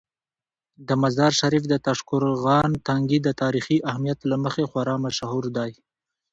د مزار شریف د تاشقرغان تنګي د تاریخي اهمیت له مخې خورا مشهور دی.